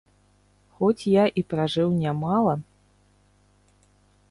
Хоць я і пражыў нямала.